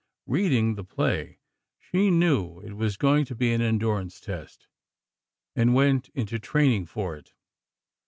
Reading the play, she knew it was going to be an endurance test, and went into training for it.